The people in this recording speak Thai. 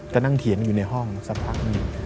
ก็นั่งเขียนอยู่ในห้องสัมภัณฑ์อยู่